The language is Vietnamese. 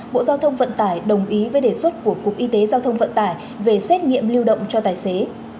bộ giao thông vận tải đồng ý với đề xuất của cục y tế giao thông vận tải về xét nghiệm lưu động cho tài xế